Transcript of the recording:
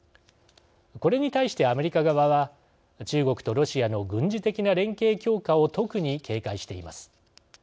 これに対して、アメリカ側は中国とロシアの軍事的な連携強化を特に警戒しています。